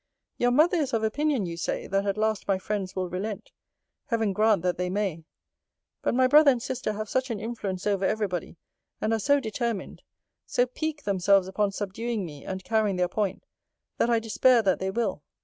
Your mother is of opinion, you say, that at last my friends will relent. Heaven grant that they may! But my brother and sister have such an influence over every body, and are so determined; so pique themselves upon subduing me, and carrying their point; that I despair that they will.